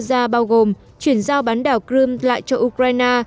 nga bao gồm chuyển giao bán đảo crimea lại cho ukraine